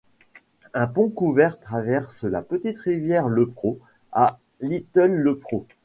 Un pont couvert traverse la Petite rivière Lepreau, à Little Lepreau.